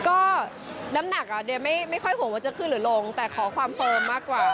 ก็น้ำหนักอ่ะเดี๋ยวไม่ค่อยห่วงว่าจะขึ้นหรือลงแต่ขอความเฟิร์มมากกว่า